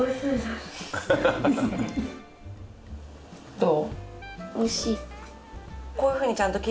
どう？